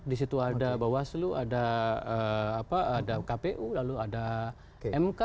di situ ada bawaslu ada kpu lalu ada mk